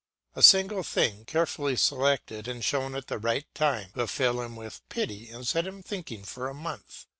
A single thing, carefully selected and shown at the right time, will fill him with pity and set him thinking for a month.